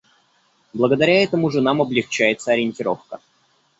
Благодаря этому же нам облегчается ориентировка.